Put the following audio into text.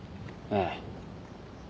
ええ。